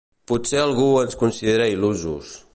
Potser algú ens considera il·lusos.